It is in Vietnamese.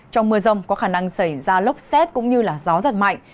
trong mưa rông có khả năng xảy ra lốc xét cũng như là gió rất mạnh